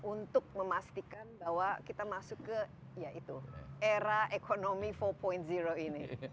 untuk memastikan bahwa kita masuk ke era ekonomi empat ini